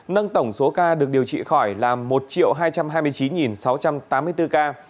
nâng tổng số ca được điều trị khỏi là một hai trăm hai mươi chín sáu trăm tám mươi bốn ca